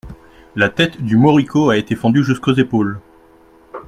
La tête du moricaud a été fendue jusqu'aux épaules.